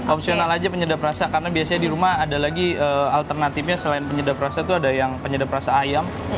opsional aja penyedap rasa karena biasanya di rumah ada lagi alternatifnya selain penyedap rasa itu ada yang penyedap rasa ayam